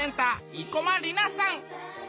生駒里奈さん。